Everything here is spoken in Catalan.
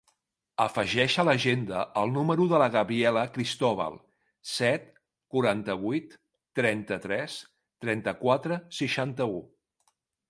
Afegeix a l'agenda el número de la Gabriela Cristobal: set, quaranta-vuit, trenta-tres, trenta-quatre, seixanta-u.